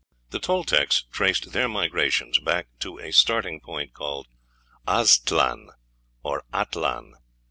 The Toltecs traced their migrations back to a starting point called "Aztlan," or "Atlan."